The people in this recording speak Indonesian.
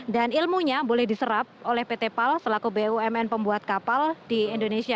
dan ilmunya boleh diserap oleh pt pal selaku bumn pembuat kapal di indonesia